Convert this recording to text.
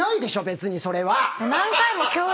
別にそれは。